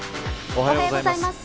おはようございます。